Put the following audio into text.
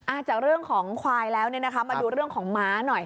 จากเรื่องของควายแล้วเนี่ยนะคะมาดูเรื่องของม้าหน่อย